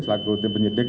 selaku tim penyidik